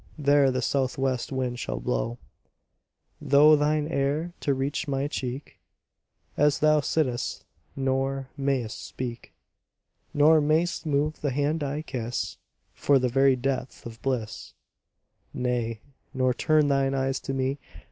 There the south west wind shall blow Through thine hair to reach my cheek, As thou sittest, nor mayst speak, Nor mayst move the hand I kiss For the very depth of bliss; Nay, nor turn thine eyes to me.